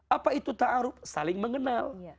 apa itu ta'aruf saling mengenal